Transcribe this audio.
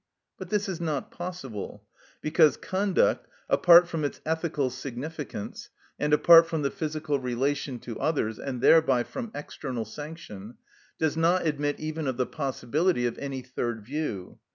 But this is not possible; because conduct, apart from its ethical significance, and apart from the physical relation to others, and thereby from external sanction, does not admit even of the possibility of any third view.